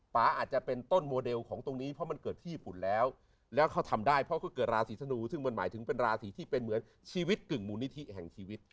อาจจะเป็นต้นโมเดลของตรงนี้เพราะมันเกิดที่ญี่ปุ่นแล้วแล้วเขาทำได้เพราะเขาเกิดราศีธนูซึ่งมันหมายถึงเป็นราศีที่เป็นเหมือนชีวิตกึ่งมูลนิธิแห่งชีวิต